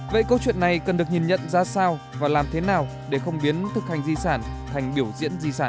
vậy câu chuyện này cần được nhìn nhận ra sao và làm thế nào để không biến thực hành di sản thành biểu diễn di sản